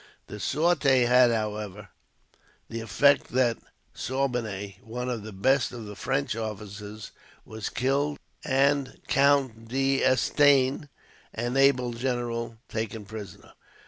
The sortie had, however, the effect that Saubinet, one of the best of the French officers, was killed, and Count D'Estaign, an able general, taken prisoner.